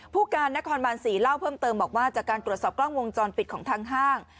ผู้การนครบาน๔เล่าเพิ่มเติมบอกว่าจากการตรวจสอบกล้องวงจรปิดของทางห้าง